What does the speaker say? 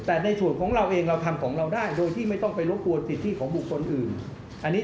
แต่ในส่วนของเราเองเราทำของเราได้โดยที่ไม่ต้องไปรบกวนสิทธิของบุคคลอื่น